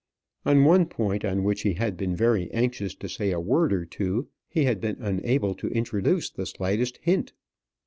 On one point on which he had been very anxious to say a word or two, he had been unable to introduce the slightest hint.